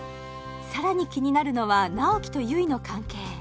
さらに気になるのは直木と悠依の関係